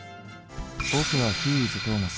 僕はヒーイズトーマス。